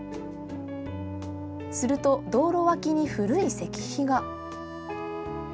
すると、道路脇に古い石碑が。